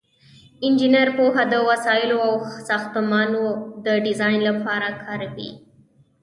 انجینر پوهه د وسایلو او ساختمانونو د ډیزاین لپاره کاروي.